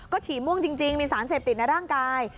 ฉี่ม่วงจริงมีสารเสพติดในร่างกาย